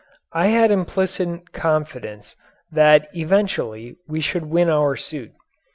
I had implicit confidence that eventually we should win our suit.